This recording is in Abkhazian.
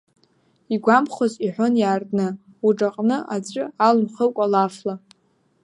Игәамԥхоз иҳәон иаартны, уҿаҟны, аҵәы алымхыкәа, лафла.